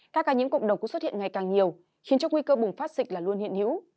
các ca nhiễm cộng đồng cũng xuất hiện ngày càng nhiều khiến cho nguy cơ bùng phát dịch là luôn hiện hữu